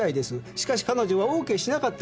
しかし彼女はＯＫしなかったんです。